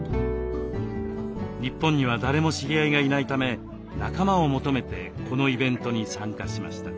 日本には誰も知り合いがいないため仲間を求めてこのイベントに参加しました。